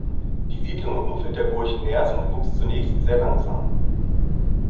Die Siedlung im Umfeld der Burg Neersen wuchs zunächst sehr langsam.